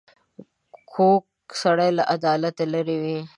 کوږ سړی له عدالت لیرې وي